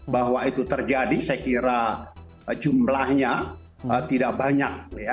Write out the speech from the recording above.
bahwa itu terjadi saya kira jumlahnya tidak banyak